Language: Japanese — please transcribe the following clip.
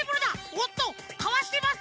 おっとかわしてます